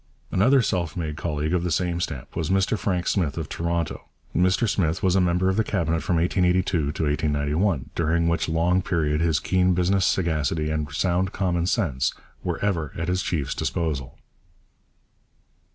Another self made colleague of the same stamp was Mr Frank Smith of Toronto. Mr Smith was a member of the Cabinet from 1882 to 1891, during which long period his keen business sagacity and sound common sense were ever at his chief's disposal.